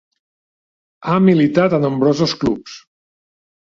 Ha militat a nombrosos clubs.